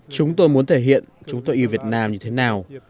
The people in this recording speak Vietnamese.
chúng tôi muốn thể hiện chúng tôi yêu việt nam như thế nào